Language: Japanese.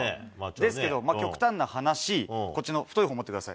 ですけど、極端な話、こっちの太い方持ってください。